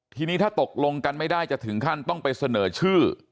ทีนี้ถ้าตกลงกันไม่ได้จะถึงขั้นต้องไปเสนอชื่อ